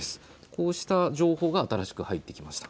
こうした情報が新しく入ってきました。